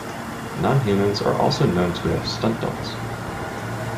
Non-humans are also known to have "stunt doubles".